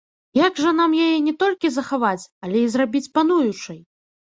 Як жа нам яе не толькі захаваць, але і зрабіць пануючай?